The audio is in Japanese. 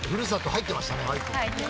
入ってました。